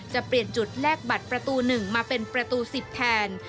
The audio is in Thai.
จะเปลี่ยนจุดแลกบัตรประตู๑มาเป็นประตู๑๐แทน